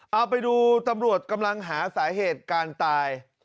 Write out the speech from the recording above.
เอาไปดูตำรวจกำลังหาสาเหตุการตาย